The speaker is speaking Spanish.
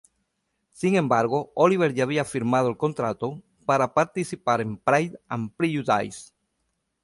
Sin embargo, Olivier ya había firmado el contrato para participar en "Pride and Prejudice".